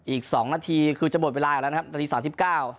อีก๒นาทีคือจะบ่นเวลาออกแล้วนะครับนาที๓๙